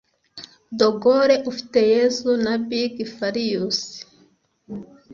De Gaulle Ufiteyezu na Big Farious